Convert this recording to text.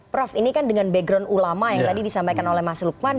prof ini kan dengan background ulama yang tadi disampaikan oleh mas lukman